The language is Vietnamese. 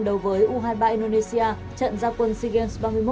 đầu với u hai mươi ba indonesia trận gia quân sigens ba mươi một